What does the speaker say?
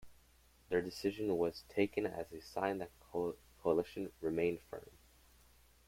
Their decision was taken as a sign that the coalition remained firm.